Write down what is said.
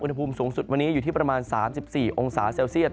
อุณหภูมิสูงสุดวันนี้อยู่ที่ประมาณ๓๔องศาเซลเซียต